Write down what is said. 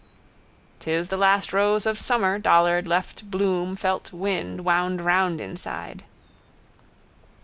'Tis the last rose of summer dollard left bloom felt wind wound round inside.